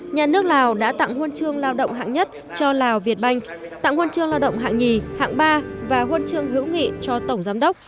nhà nước lào đã tặng huân trương lao động hạng nhất cho lào việt bank tặng huân trương lao động hạng nhì hạng ba và huân trương hữu nghị cho tổng giám đốc